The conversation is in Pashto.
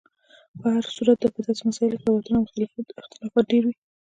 په هر صورت په داسې مسایلو کې روایتونو او اختلافات ډېر وي.